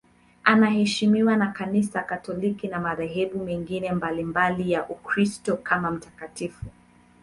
Anaheshimiwa na Kanisa Katoliki na madhehebu mengine mbalimbali ya Ukristo kama mtakatifu.